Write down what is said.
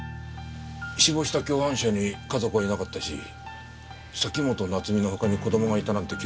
死亡した共犯者に家族はいなかったし崎本菜津美の他に子供がいたなんて